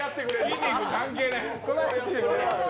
筋肉関係ない。